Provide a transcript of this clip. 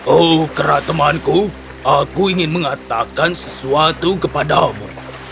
oh karena temanku aku ingin mengatakan sesuatu kepadamu